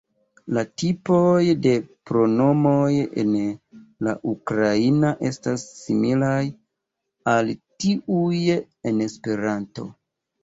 La tipoj de pronomoj en la ukraina estas similaj al tiuj en esperanto.